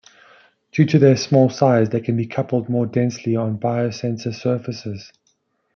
Due to their small size, they can be coupled more densely on biosensor surfaces.